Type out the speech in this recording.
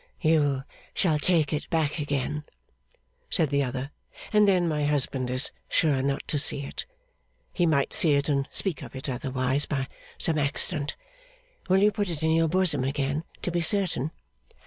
'You shall take it back again,' said the other; 'and then my husband is sure not to see it. He might see it and speak of it, otherwise, by some accident. Will you put it in your bosom again, to be certain?